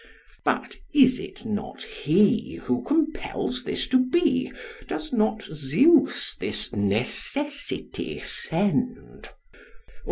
STREPS. But is it not He who compels this to be? does not Zeus this Necessity send?